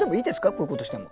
こういうことしても。